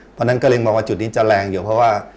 เพราะฉะนั้นก็เลยมองว่าจุดนี้จะแรงอยู่เพราะว่า